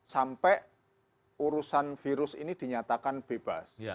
sampai urusan virus ini dinyatakan bebas